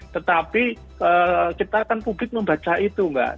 tetapi kita kan publik membaca itu mbak